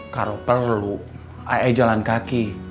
kalau perlu ayah jalan kaki